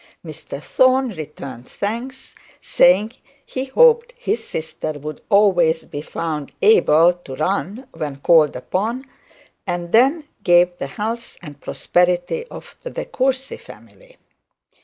Mr Thorne returned thanks, saying he hoped his sister would always be found able to run when called upon, and than gave the health and prosperity of the De Courcy family.